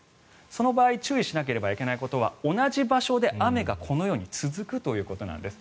その場合注意しなければいけないことは同じ場所で雨がこのように続くということなんです。